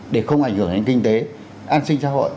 để không ảnh hưởng đến kinh tế an sinh xã hội